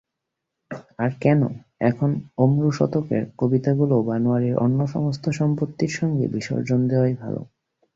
আর কেন, এখন অমরুশতকের কবিতাগুলাও বনোয়ারির অন্য সমস্ত সম্পত্তির সঙ্গে বিসর্জন দেওয়াই ভালো।